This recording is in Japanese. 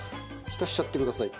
浸しちゃってください。